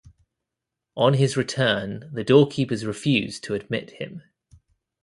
On his return the doorkeepers refused to admit him.